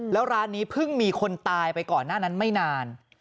แล้วร้านนี้เพิ่งมีคนตายไปก่อนหน้านั้นไม่นาน